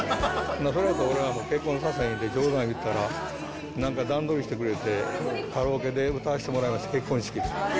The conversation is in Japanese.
それだったら俺はもう結婚させへんって冗談言ったら、なんか段取りしてくれて、カラオケで歌わせてもらいました、結婚式で。